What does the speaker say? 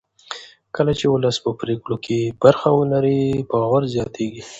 کله چې ولس په پرېکړو کې برخه ولري باور زیاتېږي